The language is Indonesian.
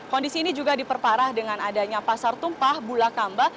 kondisi ini juga diperparah dengan adanya pasar tumpah bulakamba